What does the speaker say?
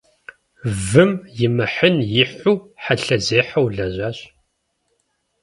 Вым имыхьын ихьу хьэлъэзехьэу лэжьащ.